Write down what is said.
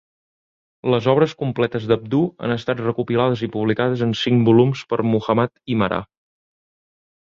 Les obres completes d'Abduh han estat recopilades i publicades en cinc volums per Muhammad Imarah.